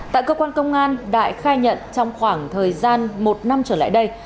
tại cơ quan công an đại khai nhận trong khoảng thời gian một năm trở lại đây